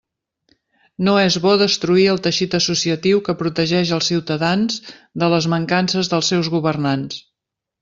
No és bo destruir el teixit associatiu que protegeix els ciutadans de les mancances dels seus governants.